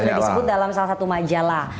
sudah disebut dalam salah satu majalah